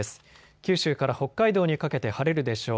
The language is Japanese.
九州から北海道にかけて晴れるでしょう。